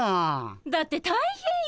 だって大変よ。